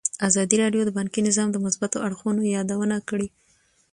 ازادي راډیو د بانکي نظام د مثبتو اړخونو یادونه کړې.